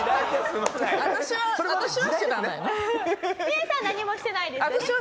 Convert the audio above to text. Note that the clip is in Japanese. ミエさん何もしてないですよね。